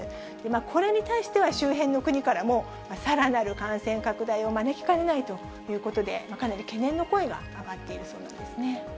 これに対しては、周辺の国からも、さらなる感染拡大を招きかねないということで、かなり懸念の声が上がっているそうなんですね。